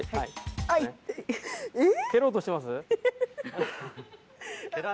蹴ろうとしてます？